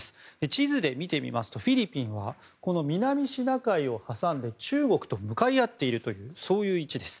地図で見てみますとフィリピンは南シナ海を挟んで中国と向かい合っているという位置です。